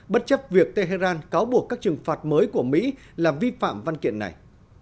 bất chấp việc tehran cáo buộc các trừng phạt mới của mỹ là vi phạm văn kiện này